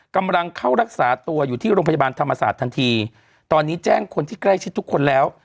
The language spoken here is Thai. กำลังเข้ารักษาตัวอยู่ที่โรงพยาบาลธรรมศาสตร์ทันทีตอนนี้แจ้งคนที่ใกล้ชิดทุกคนแล้ว